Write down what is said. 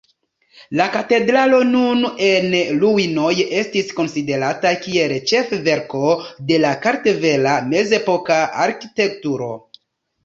La katedralo, nun en ruinoj, estis konsiderata kiel ĉefverko de la kartvela mezepoka arkitekturo.